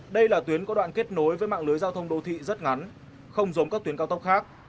đây là tuyến có đoạn kết nối với mạng lưới giao thông đô thị rất ngắn không giống các tuyến cao tốc khác